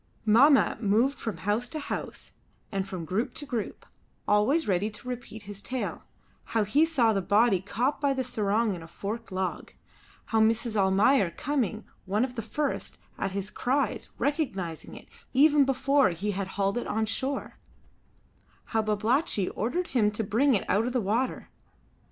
Mahmat moved from house to house and from group to group, always ready to repeat his tale: how he saw the body caught by the sarong in a forked log; how Mrs. Almayer coming, one of the first, at his cries, recognised it, even before he had it hauled on shore; how Babalatchi ordered him to bring it out of the water.